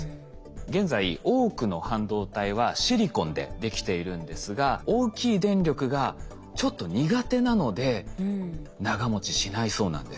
現在多くの半導体はシリコンでできているんですが大きい電力がちょっと苦手なので長もちしないそうなんです。